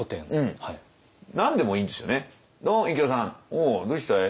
「おうどうした？